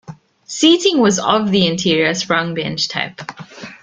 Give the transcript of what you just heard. Seating was of the interior sprung bench type.